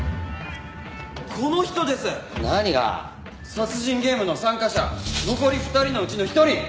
殺人ゲームの参加者残り２人のうちの一人。